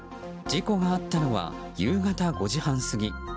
事故があったのは夕方５時半過ぎ。